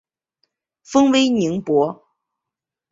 封威宁伯。